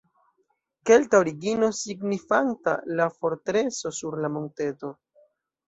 Kelta origino signifanta "la fortreso sur la monteto".